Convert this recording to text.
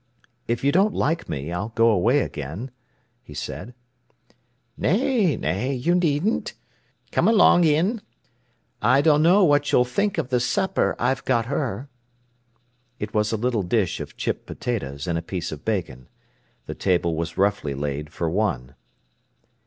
"If you don't like me, I'll go away again," he said. "Nay, nay, you needn't! Come along in! I dunno what you'll think of the supper I'd got her." It was a little dish of chip potatoes and a piece of bacon. The table was roughly laid for one.